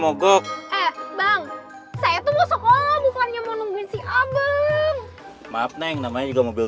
maunya mogok eh bang saya tuh mau sekolah bukannya mau nungguin si abang maaf neng namanya juga mobil